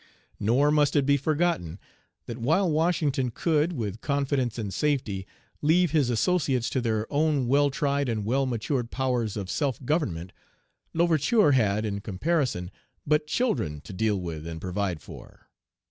Nor must it be forgotten, that while Washington could, with confidence and safety, leave his associates to their own well tried and well matured powers of self government, L'Ouverture had, in comparision, but children to deal with and provide for.